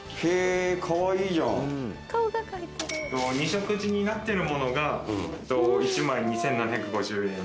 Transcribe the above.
２色地になってるものが１枚２，７５０円。